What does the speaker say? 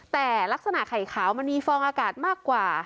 แต่ลักษณะไข่ขาวมันมีฟองอากาศมากกว่า